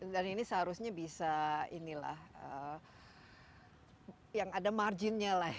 dan ini seharusnya bisa inilah yang ada marginnya lah istilahnya